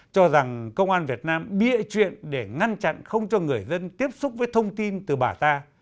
cho rằng công an việt nam bị ệ chuyện để ngăn chặn không cho người dân tiếp xúc với thông tin từ bà ta